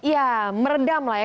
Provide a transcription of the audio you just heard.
ya meredam lah ya